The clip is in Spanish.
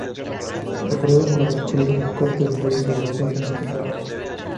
Reforzado por el apoyo de las cortes al rey, rehusó someterse a Roma.